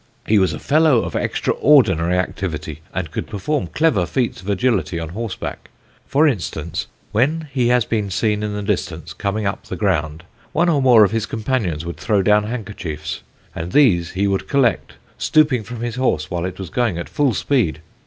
He was a fellow of extraordinary activity, and could perform clever feats of agility on horseback. For instance, when he has been seen in the distance coming up the ground, one or more of his companions would throw down handkerchiefs, and these he would collect, stooping from his horse while it was going at full speed.